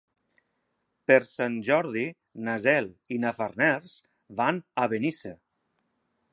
Per Sant Jordi na Cel i na Farners van a Benissa.